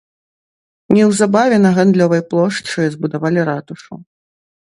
Неўзабаве на гандлёвай плошчы збудавалі ратушу.